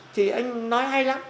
thì anh nói hay lắm